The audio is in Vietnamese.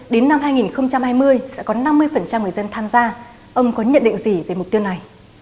đến năm hai nghìn hai mươi sẽ có năm mươi người dân tham gia ông có nhận định gì về mục tiêu này